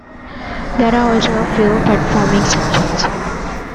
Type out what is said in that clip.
There are also a few platforming sections.